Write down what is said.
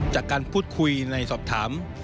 จากการพูดคุยในสอบถาม